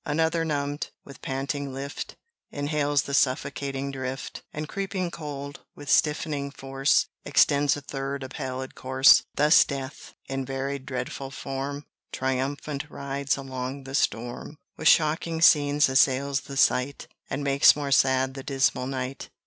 Another numbed, with panting lift Inhales the suffocating drift! And creeping cold, with stiffening force, Extends a third, a pallid corse! Thus death, in varied dreadful form, Triumphant rides along the storm: With shocking scenes assails the sight, And makes more sad the dismal night!